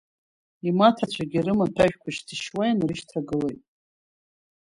Имаҭацәагьы рымаҭәажәқәа шьҭышьуа инарышьҭагылеит.